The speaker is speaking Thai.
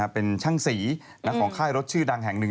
เป็นช่างสีของค่ายรถชื่อดังแห่งหนึ่ง